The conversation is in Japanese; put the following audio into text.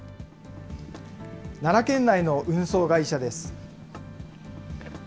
奈良県内の運送会社です。